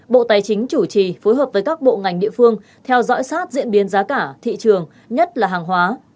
bộ tài chính chủ trì phối hợp với các bộ ngành địa phương theo dõi sát diễn biến giá cả thị trường nhất là hàng hóa